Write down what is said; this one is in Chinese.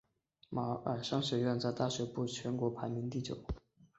马歇尔商学院在大学部全国排名第九。